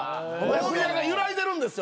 大宮が揺らいでるんですよ